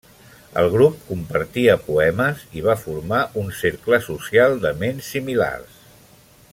El grup compartia poemes i va formar un cercle social de ments similars.